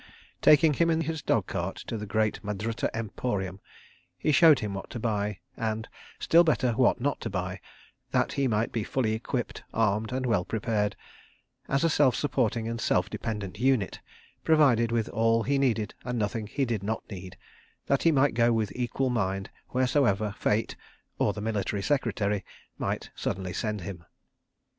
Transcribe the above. Taking him in his dog cart to the great Madrutta Emporium, he showed him what to buy, and, still better, what not to buy, that he might be fully equipped, armed and well prepared, as a self supporting and self dependent unit, provided with all he needed and nothing he did not need, that he might go with equal mind wheresoever Fate—or the Military Secretary—might suddenly send him.